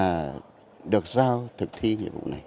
mà được giao thực thi nhiệm vụ này